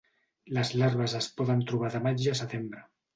Les larves es poden trobar de maig a setembre.